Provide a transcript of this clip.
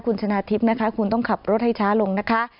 คุณชนะทิพย์นะคะคุณต้องขับรถให้ช้าลงนะคะ